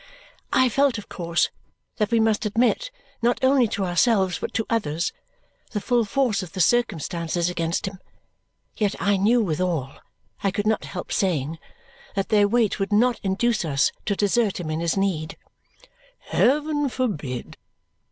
I felt, of course, that we must admit, not only to ourselves but to others, the full force of the circumstances against him. Yet I knew withal (I could not help saying) that their weight would not induce us to desert him in his need. "Heaven forbid!"